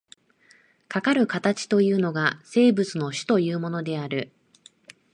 かかる形というのが、生物の種というものである。